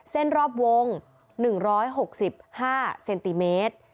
เส้นรอบวง๑๖๕เซนติเมตร